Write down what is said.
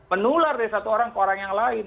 menular dari satu orang ke orang yang lain